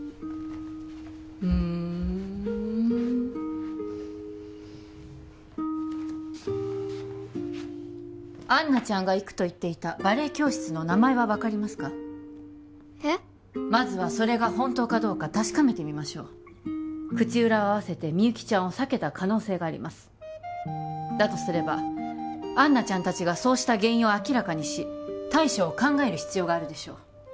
ふーんアンナちゃんが行くと言っていたバレエ教室の名前は分かりますかまずはそれが本当かどうか確かめてみましょう口裏を合わせてみゆきちゃんを避けた可能性がありますだとすればアンナちゃん達がそうした原因を明らかにし対処を考える必要があるでしょう